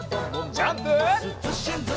ジャンプ！